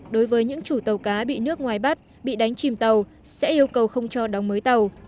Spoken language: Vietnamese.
đối với những chủ tàu cá bị nước ngoài bắt bị đánh chìm tàu sẽ yêu cầu không cho đóng mới tàu